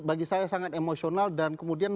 bagi saya sangat emosional dan kemudian